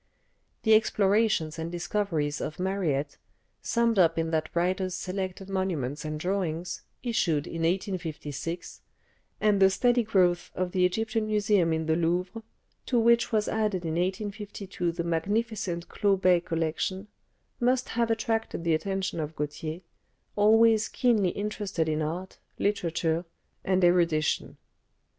The explorations and discoveries of Mariette, summed up in that writer's "Selected Monuments and Drawings," issued in 1856, and the steady growth of the Egyptian Museum in the Louvre, to which was added in 1852 the magnificent Clot Bey collection, must have attracted the attention of Gautier, always keenly interested in art, literature, and erudition.